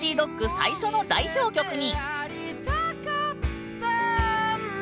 最初の代表曲に。